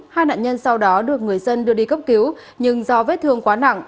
hai nạn nhân sau đó được người dân đưa đi cấp cứu nhưng do vết thương quá nặng